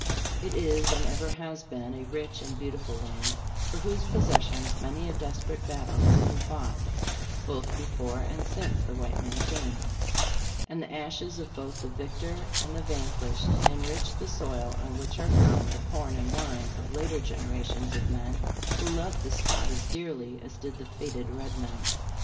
It is and ever has been a rich and beautiful land, for whose possession many a desperate battle has been fought, both before and since the white man came; and the ashes of both the victor and the vanquished enrich the soil on which are grown the " corn and wine" of later generations of men who love the spot as dearly as did the fated red men.